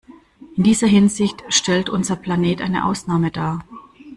In dieser Hinsicht stellt unser Planet eine Ausnahme dar.